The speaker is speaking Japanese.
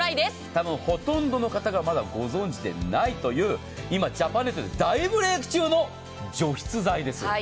多分ほとんどの方がまだご存じないという今ジャパネットで大ブレーク中の除湿剤です。